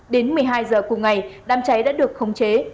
đến một mươi hai h cùng ngày đám cháy đã được khống chế